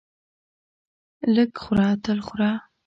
لږ خوره تل خوره!